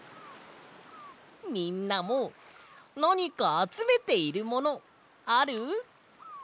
みんなもなにかあつめているものある？